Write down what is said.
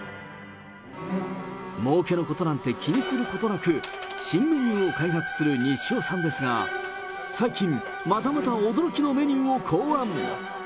もうけのことなんて気にすることなく、新メニューを開発する西尾さんですが、最近、またまた驚きのメニューを考案。